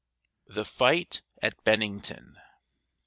THE FIGHT AT BENNINGTON.